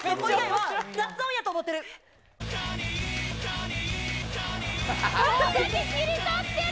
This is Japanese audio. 雑音やと思ってる。